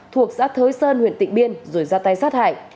thuộc xã thới sơn huyện tịnh biên rồi ra tay sát hại